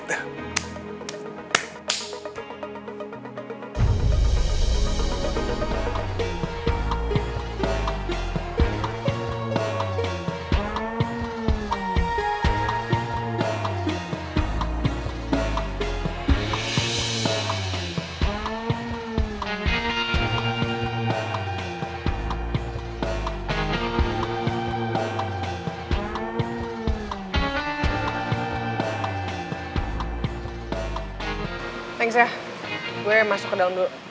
gue masuk ke dalam dulu